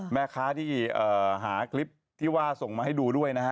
แม่ค้าที่หาคลิปที่ว่าส่งมาให้ดูด้วยนะฮะ